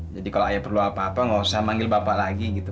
jadi kalau ayah perlu apa apa gak usah manggil bapak lagi gitu